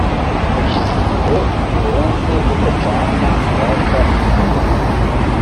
Hashize igihe u Burundi budacana uwaka n’u Rwanda